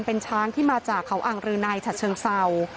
เป็นช้างที่มาจากเขาอ่างรือในฉัดเชิงเศร้า